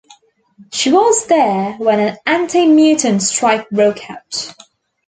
She was there when an anti-mutant strike broke out.